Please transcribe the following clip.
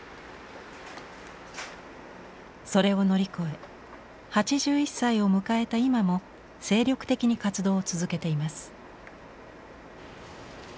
それを乗り越え８１歳を迎えた今も精力的に活動を続けています。